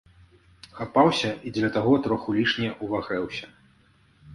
Хапаўся і дзеля таго троху лішне ўвагрэўся.